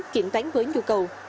kiểm toán với nhu cầu